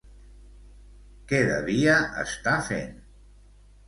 Què devia estar fent?